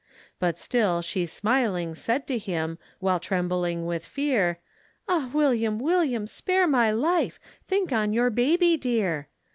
But still she smiling said to him, While trembling with fear, Ah! William, William, spare my life; Think on your baby dear.